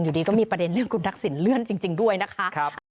อยู่ดีก็มีประเด็นเรื่องคุณทักษิณเลื่อนจริงด้วยนะคะ